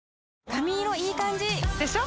髪色いい感じ！でしょ？